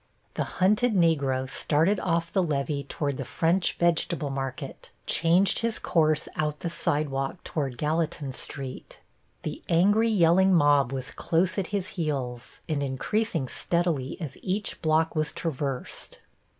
The hunted Negro started off the levee toward the French Vegetable Market, changed his course out the sidewalk toward Gallatin Street. The angry, yelling mob was close at his heels, and increasing steadily as each block was traversed.